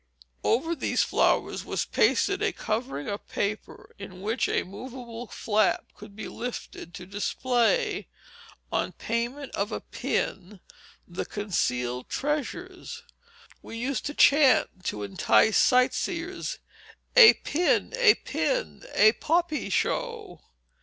Over these flowers was pasted a covering of paper, in which a movable flap could be lifted, to display, on payment of a pin, the concealed treasures. We used to chant, to entice sight seers, "A pin, a pin, a poppy show."